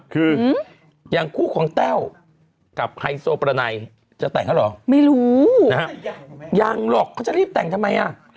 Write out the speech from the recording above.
คืออย่างคู่ของแต้วกับไฮโซประไนจะแต่งเขาเหรอไม่รู้นะฮะยังหรอกเขาจะรีบแต่งทำไมอ่ะ